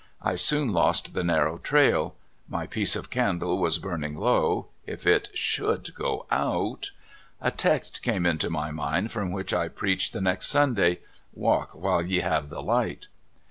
I soon lost the narrow trail. My piece of candle was burning low^ — if it should go out ! A text came into my mind from which I preached the next Sunday: " JVa/k zuJiile yc have the light.